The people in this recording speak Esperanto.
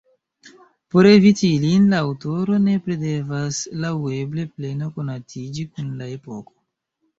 Por eviti ilin, la aŭtoro nepre devas laŭeble plene konatiĝi kun la epoko.